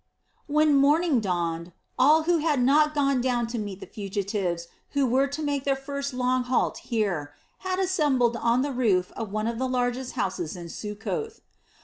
When morning dawned, all who had not gone down to meet the fugitives who were to make their first long halt here, had assembled on the roof of one of the largest houses in Succoth.